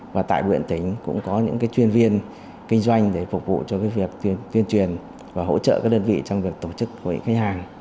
và tại huyện tỉnh cũng có những chuyên viên kinh doanh để phục vụ cho việc tuyên truyền và hỗ trợ các đơn vị trong việc tổ chức hội khách hàng